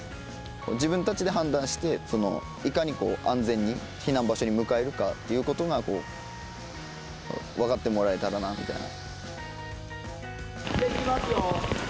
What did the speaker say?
自分たちで判断していかにこう安全に避難場所に向かえるかっていうことが分かってもらえたらなみたいな。